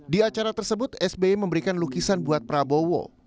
di acara tersebut sbi memberikan lukisan buat prabowo